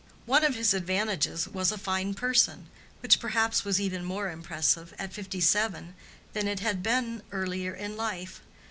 One of his advantages was a fine person, which perhaps was even more impressive at fifty seven than it had been earlier in life.